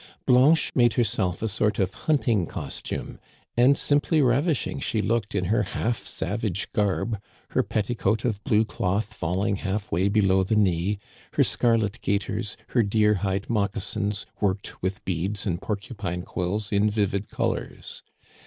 Blanche made herself a sort of hunting costume ; and simply ravishing she looked in her half savage garb, her petticoat of blue cloth fall ing half way below the knee, her scarlet gaiters, her deer hide moccasins worked with beads and porcupine quills in vivid colors.